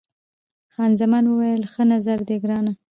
خان زمان وویل، ښه نظر دی ګرانه.